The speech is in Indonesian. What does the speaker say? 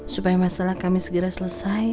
supaya masalah kami segera selesai